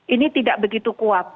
ini tidak begitu kuat